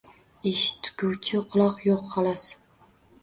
Eshitguvchi quloq yoʼq, xolos.